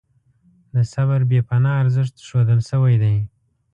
د صبر بې پناه ارزښت ښودل شوی دی.